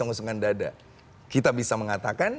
mengusungkan dada kita bisa mengatakan